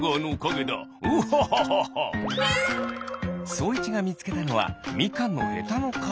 そういちがみつけたのはみかんのへたのかお。